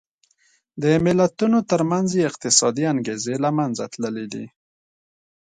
د ملتونو ترمنځ یې اقتصادي انګېزې له منځه تللې دي.